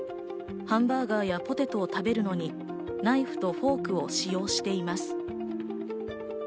ハンバーガーやポテトを食べるのにナイフとフォークを使用しています。